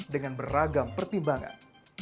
dengan beragam pertimbangan